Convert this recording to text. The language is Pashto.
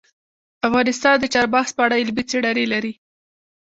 افغانستان د چار مغز په اړه علمي څېړنې لري.